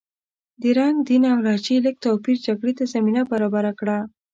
د رنګ، دین او لهجې لږ توپیر جګړې ته زمینه برابره کړه.